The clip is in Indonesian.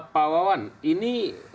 pak wawan ini